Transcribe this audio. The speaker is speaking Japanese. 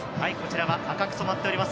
赤く染まっております。